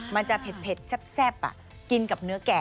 มันจะเผ็ดแซ่บกินกับเนื้อแก่